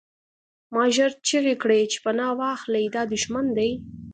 ما ژر چیغې کړې چې پناه واخلئ دا دښمن دی